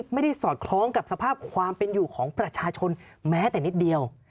สอดคล้องกับสภาพความเป็นอยู่ของประชาชนแม้แต่นิดเดียว